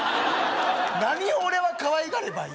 何を俺はかわいがればいい？